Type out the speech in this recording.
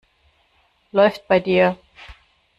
Läuft bei dir.